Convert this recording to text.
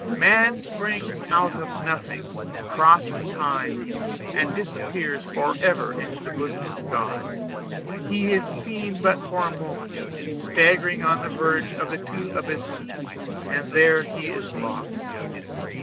Man springs out of nothing, crosses time, and disappears forever in the bosom of God; he is seen but for a moment, staggering on the verge of the two abysses, and there he is lost.